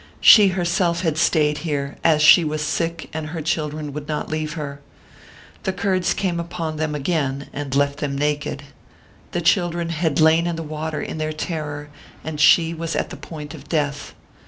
She herself had stayed here, as she was sick and her children would not leave her. The Kurds came upon them again and left them naked. The chil dren had lain in the water in their terror, and she was at the point of death.